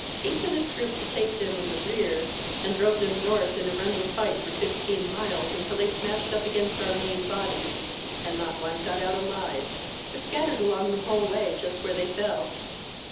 He sent a troop to take them in the rear, and drove them north in a running fight for fifteen miles until they smashed up against our main body and not one got out alive. They're scattered along the whole way just where they fell."